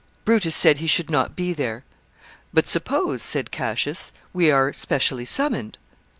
Brutus said he should not be there. "But suppose," said Cassius, "we are specially summoned."